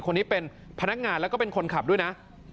คนนี้เป็นพนักงานแล้วก็เป็นคนขับด้วยนะ